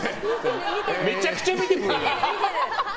めちゃくちゃ見てくる！